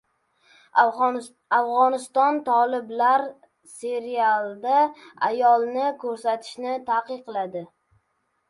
Afg‘oniston: Toliblar seriallarda ayollarni ko‘rsatishni taqiqladi